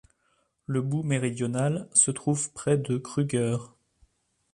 Le bout méridional se trouve près du Crüger.